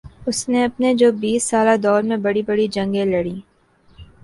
اس نے اپنے چوبیس سالہ دور میں بڑی بڑی جنگیں لڑیں